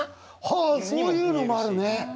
はあそういうのもあるね！